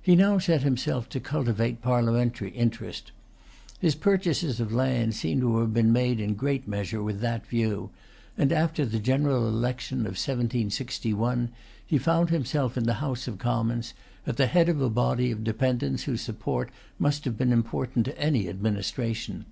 He now set himself to cultivate Parliamentary interest. His purchases of land seem to have been made in a great measure with that view, and, after the general election of 1761, he found himself in the House of Commons, at the head of a body of dependants whose support must have been important to any administration.